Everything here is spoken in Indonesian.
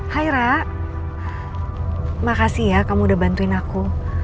hai rak makasih ya kamu udah bantuin aku